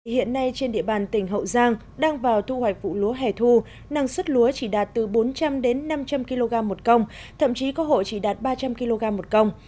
hiện nay trên địa bàn tỉnh hậu giang đang vào thu hoạch vụ lúa hẻ thu năng suất lúa chỉ đạt từ bốn trăm linh đến năm trăm linh kg một công thậm chí có hộ chỉ đạt ba trăm linh kg một công